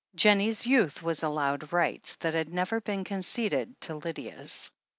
Jennie's youth was allowed rights that had never been conceded to Lydia's.